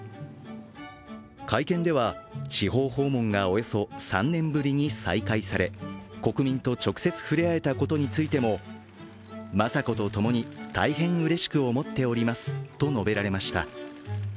会見では地方訪問がおよそ３年ぶりに再開され国民と直接、ふれあえたことについても雅子と共に大変うれしく思っておりますと述べられました。